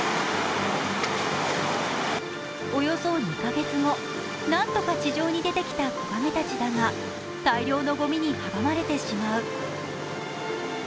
およそ２カ月後、何とか地上に出てきた子亀たちだが大量のごみに阻まれてしまう。